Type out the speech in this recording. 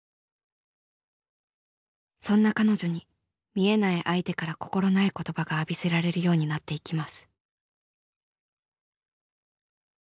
そんな彼女に見えない相手から心ない言葉が浴びせられるようになっていきます。